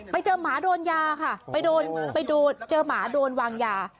ไปเจอหมาโดนยาค่ะไปโดนไปเจอหมาโดนวางยา